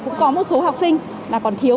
cũng có một số học sinh là còn thiếu